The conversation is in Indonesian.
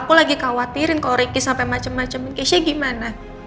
aku lagi khawatirin kalo ricky sampe macem macemin keisha gimana